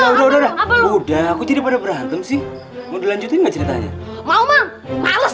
ngapa lo udah udah udah udah udah aku jadi pada berantem sih mau dilanjutin ceritanya mau mau males